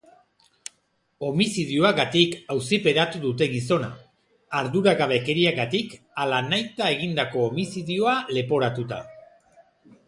Homizidioagatik auziperatu dute gizona, arduragabekeriagatik ala nahita egindako homizidioa leporatuta.